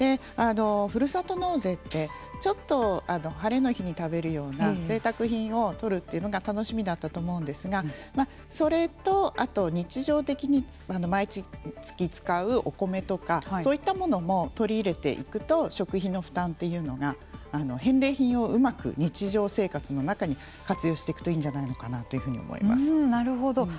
ふるさと納税ってちょっとハレの日に食べるようなぜいたく品をとるというのが楽しみだったと思うんですがそれとあと、日常的に毎月使うお米とかそういったものも取り入れていくと食品の負担というのが返礼品をうまく日常生活の中に活用していくといいんじゃないのかなと思います。